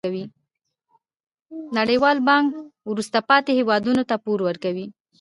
نړیوال بانک وروسته پاتې هیوادونو ته پور ورکوي.